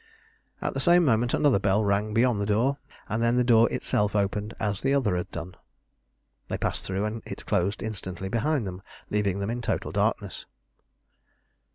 At the same moment another bell rang beyond the door, and then the door itself opened as the other had done. They passed through, and it closed instantly behind them, leaving them in total darkness.